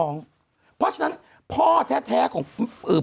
คุณหนุ่มกัญชัยได้เล่าใหญ่ใจความไปสักส่วนใหญ่แล้ว